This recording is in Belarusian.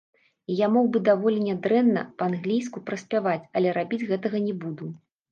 І я мог бы даволі нядрэнна па-англійску праспяваць, але рабіць гэтага не буду.